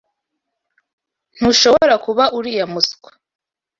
Ntushobora kuba uriya muswa.